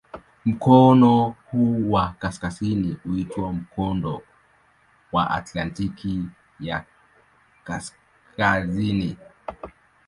Mkono huu wa kaskazini huitwa "Mkondo wa Atlantiki ya Kaskazini".